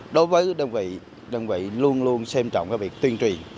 đối với đơn vị đơn vị luôn luôn xem trọng việc tuyên truyền